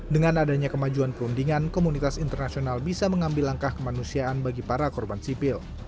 dengan adanya kemajuan perundingan komunitas internasional bisa mengambil langkah kemanusiaan bagi para korban sipil